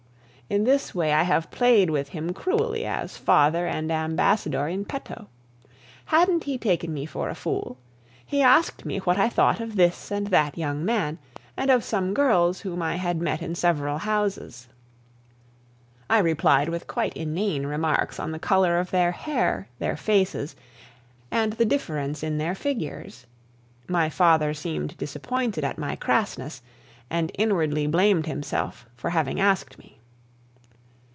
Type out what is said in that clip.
In this way I have played with him cruelly as father and ambassador in petto. Hadn't he taken me for a fool? He asked me what I thought of this and that young man, and of some girls whom I had met in several houses. I replied with quite inane remarks on the color of their hair, their faces, and the difference in their figures. My father seemed disappointed at my crassness, and inwardly blamed himself for having asked me.